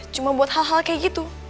cuma buat hal hal kayak gitu